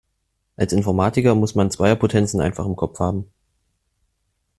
Als Informatiker muss man Zweierpotenzen einfach im Kopf haben.